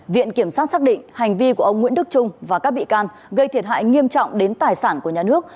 viện kiểm sát xác định hành vi của ông nguyễn đức trung và các bị can gây thiệt hại nghiêm trọng đến tài sản của nhà nước